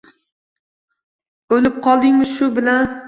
O‘lib qoldingmi shu bilan?